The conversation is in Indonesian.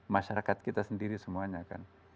masyarakat kita sendiri semuanya kan